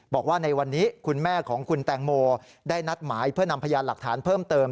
บอกว่าในวันนี้คุณแม่ของคุณแตงโมได้นัดหมายเพื่อนำพยานหลักฐานเพิ่มเติม